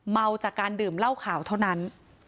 เมาจากการดื่มเหล้าขาวเท่านั้น